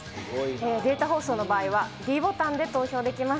データ放送の場合はｄボタンで投票できます。